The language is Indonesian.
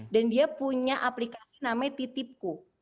dan dia punya aplikasi namanya titipku